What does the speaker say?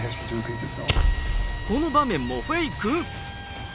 この場面もフェイク？